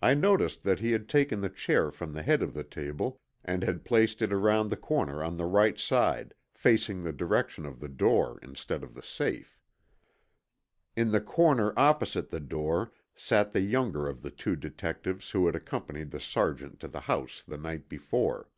I noticed that he had taken the chair from the head of the table and had placed it around the corner on the right side, facing the direction of the door instead of the safe. In the corner opposite the door sat the younger of the two detectives who had accompanied the Sergeant to the house the night before.